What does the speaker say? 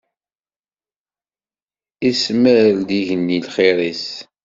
Ismar-d yigenni lxir-is.